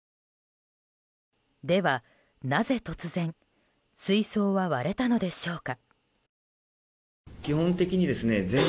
ではなぜ突然水槽は割れたのでしょうか。